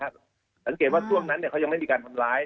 สังเกตว่าช่วงนั้นเขายังไม่มีการทำร้าย